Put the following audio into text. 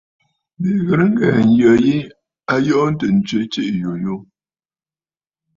Bìʼì ghɨ̀rə ŋghɛ̀ɛ̀ ǹyə yi, a yoorə̀ ǹtswe tsiiʼì yùyù.